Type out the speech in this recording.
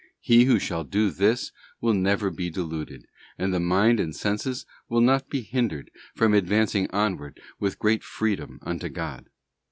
He who shall do this will never be deluded, and the mind and senses will not be hindered from advancing onward with great freedom unto God.